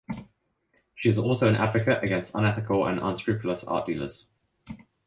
She is also an advocate against unethical and unscrupulous art dealers.